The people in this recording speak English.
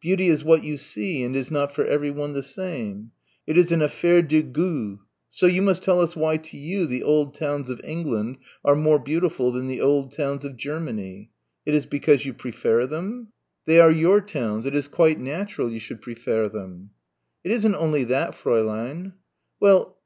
Beauty is what you see and is not for everyone the same. It is an affaire de goût. So you must tell us why to you the old towns of England are more beautiful than the old towns of Germany. It is because you prefair them? They are your towns, it is quite natural you should prefair them." "It isn't only that, Fräulein." "Well?"